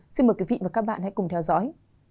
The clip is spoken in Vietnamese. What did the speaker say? xin mời quý vị và các bạn hãy cùng theo dõi